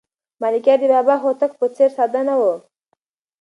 ملکیار د بابا هوتک په څېر ساده نه و.